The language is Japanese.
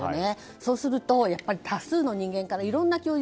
そうすると多数の人間からいろいろな供述。